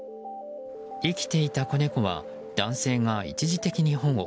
生きていた子猫は男性が一時的に保護。